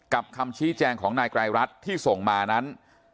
คำชี้แจงของนายไกรรัฐที่ส่งมานั้น